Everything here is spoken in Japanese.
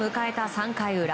３回裏。